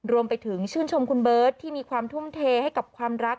รวมไปถึงชื่นชมคุณเบิร์ตที่มีความทุ่มเทให้กับความรัก